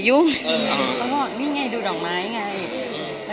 อเรนนี่ว่าพูดข่าวหรือพูดมาอะไร